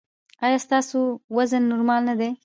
ایا ستاسو وزن نورمال نه دی؟